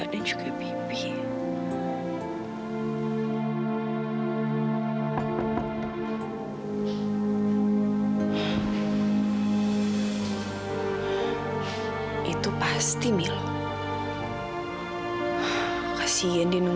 dan oke kebetulan juga